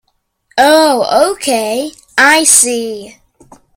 Oh okay, I see.